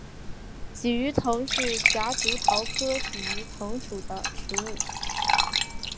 鲫鱼藤是夹竹桃科鲫鱼藤属的植物。